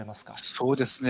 そうですね。